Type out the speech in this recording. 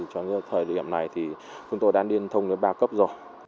trong thời điểm này thì chúng tôi đã liên thông đến ba cấp rồi